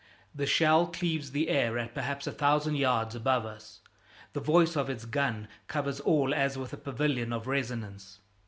The shell cleaves the air at perhaps a thousand yards above us; the voice of its gun covers all as with a pavilion of resonance.